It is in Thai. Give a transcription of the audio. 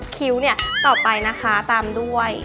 คิ้วเนี่ยต่อไปนะคะตามด้วย